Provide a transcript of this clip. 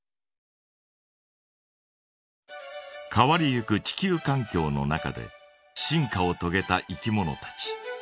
変わりゆく地球かん境の中で進化をとげたいきものたち。